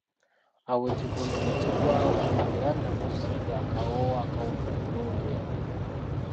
Awo ekivundu ne kigwawo, era namusiiga akawoowo akawunya obulungi ennyo.